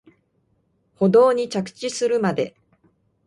舗道に着地するまで